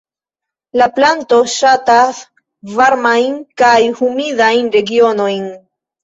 La planto ŝatas varmajn kaj humidajn regionojn.